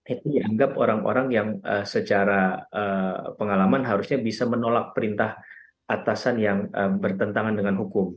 itu dianggap orang orang yang secara pengalaman harusnya bisa menolak perintah atasan yang bertentangan dengan hukum